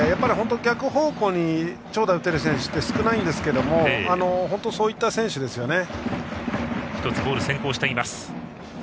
逆方向に長打を打てる選手は少ないんですけど本当にそういった選手ですよね。